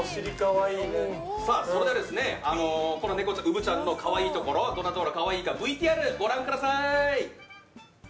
それではこのうぶちゃんの可愛いところどんなところが可愛いかＶＴＲご覧ください。